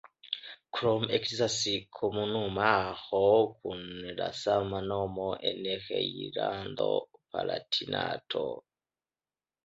Krome ekzistas komunumaro kun la sama nomo en Rejnlando-Palatinato.